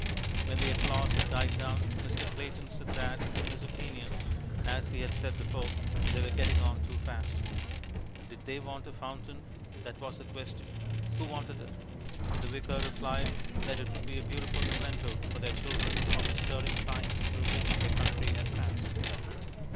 When the applause had died down, Mr. Clayton said that, in his opinion, as he had said before, they were getting on too fast. Did they want a fountain, that was the question. Who wanted it? The Vicar replied that it would be a beautiful memento for their children of the stirring times through which their country had passed.